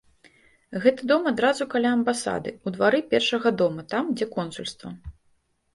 Гэты дом адразу каля амбасады, у двары першага дома, там, дзе консульства.